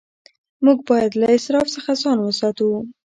موږ باید له اسراف څخه ځان وساتو.